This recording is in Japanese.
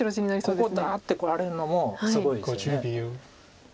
ここダーッてこられるのもすごいですよね。